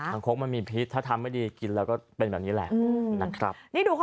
งคกมันมีพิษถ้าทำไม่ดีกินแล้วก็เป็นแบบนี้แหละนะครับ